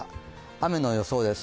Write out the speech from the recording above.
雨の予想です